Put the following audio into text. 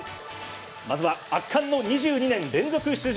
まずは圧巻の２２年連続出場！